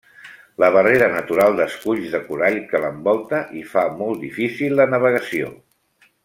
La barrera natural d'esculls de coral que l'envolta hi fa molt difícil la navegació.